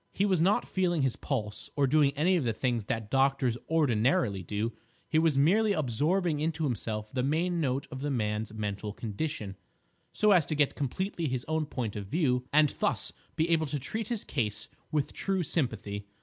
He was not feeling his pulse, or doing any of the things that doctors ordinarily do; he was merely absorbing into himself the main note of the man's mental condition, so as to get completely his own point of view, and thus be able to treat his case with true sympathy.